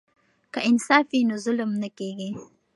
که انصاف وي نو ظلم نه کیږي.